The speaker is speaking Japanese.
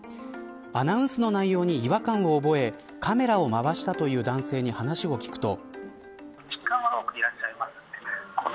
アナウンスの内容に違和感を覚えカメラを回したという男性に話を聞くと。